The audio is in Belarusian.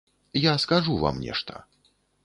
Я скажу вам нешта.